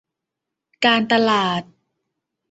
การตลาด